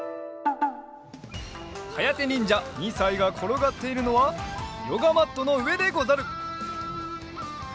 はやてにんじゃ２さいがころがっているのはヨガマットのうえでござる。